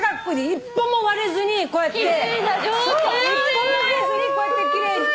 一本も割れずにこうやって奇麗に。